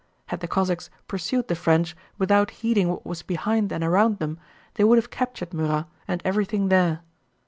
Had the Cossacks pursued the French, without heeding what was behind and around them, they would have captured Murat and everything there.